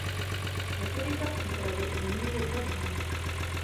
Metodika přípravy není jednotná.